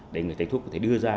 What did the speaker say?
để người thầy thuốc có thể đưa ra